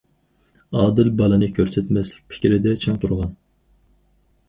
ئادىل بالىنى كۆرسەتمەسلىك پىكرىدە چىڭ تۇرغان.